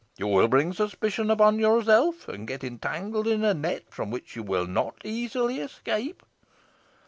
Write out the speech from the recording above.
You will bring suspicion upon yourself, and get entangled in a net from which you will not easily escape."